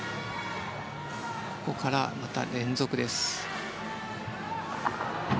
ここから、また連続です。